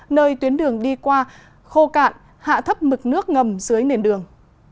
nơi tuyến đường đi qua khô cạn hạ thấp mực nước ngầm dưới nền đường